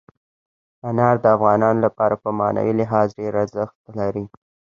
انار د افغانانو لپاره په معنوي لحاظ ډېر زیات ارزښت لري.